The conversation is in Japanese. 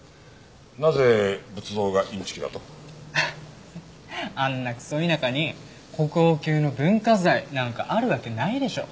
ハッあんなクソ田舎に国宝級の文化財なんかあるわけないでしょ。